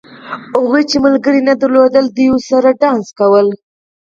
هغوی چې ملګري یې نه درلودل دوی ورسره نڅل.